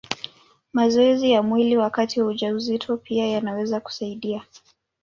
Mazoezi ya mwili wakati wa ujauzito pia yanaweza kusaidia.